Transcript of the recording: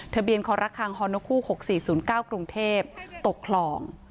ทะเบียนคอลรักษณ์ฮอลโนคู่๖๔๐๙กรุงเทพฯตกคลอง